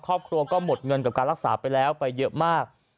ครอบครัวก็หมดเงินกับการรักษาไปแล้วไปเยอะมาก